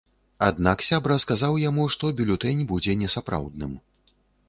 Аднак сябра сказаў яму, што бюлетэнь будзе несапраўдным.